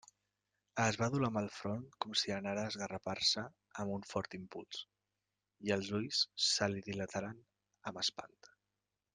Es va dur la mà al front com si anara a esgarrapar-se amb un fort impuls, i els ulls se li dilataren amb espant.